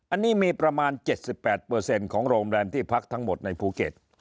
อันนี้มีประมาณ๗๘ของโรงแรมที่พักทั้งหมดในภูเก็ต